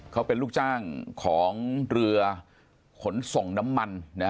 เขาเป็นลูกจ้างของเรือขนส่งน้ำมัน